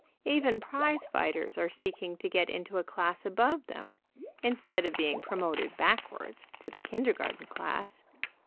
Even prize fighters are seeking to get into a class above them, instead of being promoted backwards, to the kindergarten class.